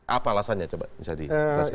apa alasannya coba bisa dijelaskan